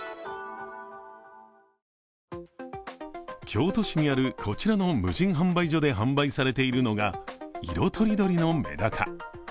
京都市にあるこちらの無人販売所で販売されているのが色とりどりのめだか。